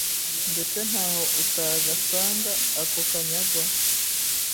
mbese ntaho utagasanga ako kanyagwa